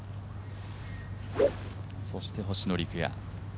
そして星野陸也。